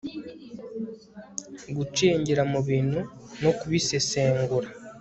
gucengera mu bintu no kubisesengura